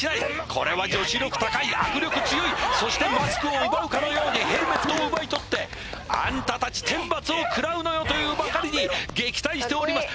これは女子力高い握力強いそしてマスクを奪うかのようにヘルメットを奪い取ってあんた達天罰をくらうのよというばかりに撃退しております